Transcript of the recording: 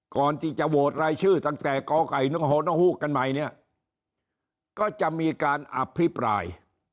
ก่อนที่จะโหวตรายชื่อตั้งแต่กไก่๑๖กันใหม่เนี่ยก็จะมีการอภิปราย